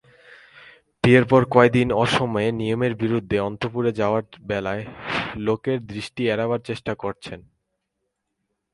বিয়ের পরে কয়দিন অসময়ে নিয়মের বিরুদ্ধে অন্তঃপুরে যাবার বেলায় লোকের দৃষ্টি এড়াবার চেষ্টা করেছে।